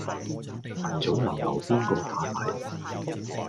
晨早流流邊個打黎